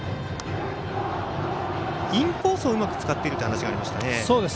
インコースをうまく使っているというお話がありましたね。